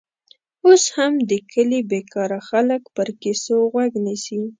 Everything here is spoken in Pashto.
اوس هم د کلي بېکاره خلک پر کیسو غوږ نیسي.